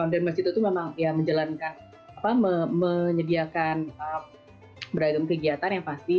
dan masjid itu memang ya menjalankan apa menyediakan beragam kegiatan yang pasti